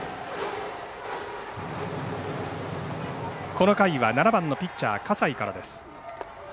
この回は７番ピッチャー葛西からです。